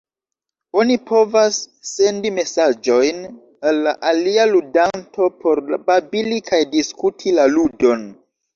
Oni povas sendi mesaĝojn al la alia ludanto por babili kaj diskuti la ludon.